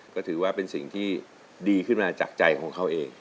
ก็ถือว่าเป็นสิ่งที่ดีขึ้นมาจากใจของเขาเอง